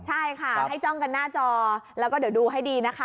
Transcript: ใช่ค่ะให้จ้องกันหน้าจอแล้วก็เดี๋ยวดูให้ดีนะคะ